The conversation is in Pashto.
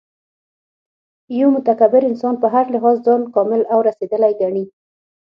یو متکبر انسان په هر لحاظ ځان کامل او رسېدلی ګڼي